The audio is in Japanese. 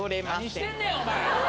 何してんねんお前！